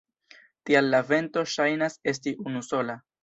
Tial la vento ŝajnas esti unusola.